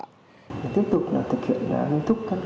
tiếp tục thực hiện nguyên thúc